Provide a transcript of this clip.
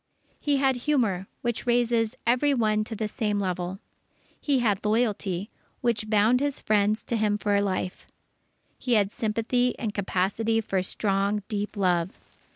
He had humour, which raises every one to the same level. He had loyalty, which bound his friends to him for life. He had sympathy and capacity for strong, deep love.